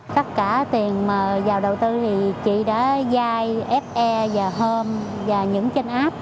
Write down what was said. tất cả tiền mà vào đầu tư thì chỉ đã dai fe và hom và những trên app